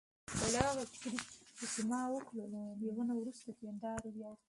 بادي انرژي د افغانستان د دوامداره پرمختګ لپاره ډېر اړین دي.